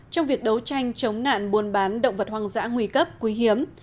trong việc đấu tranh chống nạn buôn bán động vật hoang dã nguy cấp quý hiếm